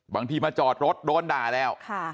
บางทีมาจอดรถโดนด่าแล้ว